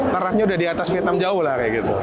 taraknya udah di atas vietnam jauh lah kayak gitu